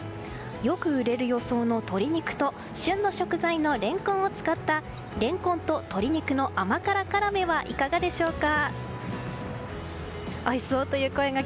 よく売れる予想の鶏肉と旬の食材のレンコンを使ったレンコンと鶏肉の甘辛絡めはいかがでしょうか？